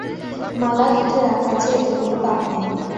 মালা দুধে রাখা আছে, এতে কোন পাপ নেই।